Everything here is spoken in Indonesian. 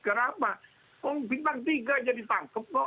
kenapa om bintang tiga jadi tangkep kok